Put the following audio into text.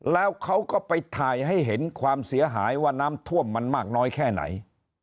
แล้วเขาก็ไปถ่ายให้เห็นความเสียหายว่าน้ำท่วมมันมากน้อยแค่ไหน